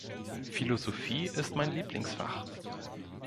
Philosophie ist mein Lieblingsfach.